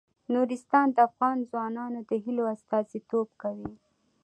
نورستان د افغان ځوانانو د هیلو استازیتوب کوي.